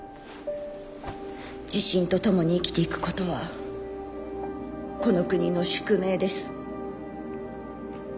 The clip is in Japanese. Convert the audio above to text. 地震とともに生きていくことはこの国の宿命です。